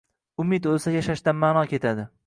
Umid o’lsa, yashashdan ma’no ketadi.